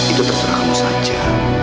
itu terserah kamu saja